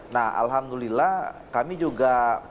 nah alhamdulillah kami juga